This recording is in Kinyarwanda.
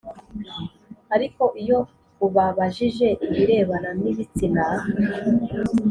Ariko iyo ubabajije ibirebana n ibitsina